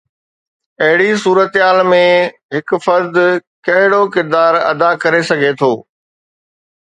اهڙي صورتحال ۾ هڪ فرد ڪهڙو ڪردار ادا ڪري سگهي ٿو؟